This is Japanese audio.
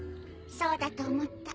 そうだと思った。